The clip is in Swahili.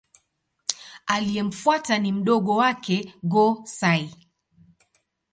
Aliyemfuata ni mdogo wake Go-Sai.